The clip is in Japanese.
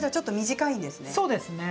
そうですね。